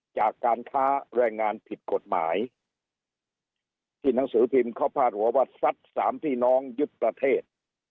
จากการค้าแรงงานผิดกฎหมายที่หนังสือพิมพ์เขาพาดหัวว่าซัดสามพี่น้องยึดประเทศ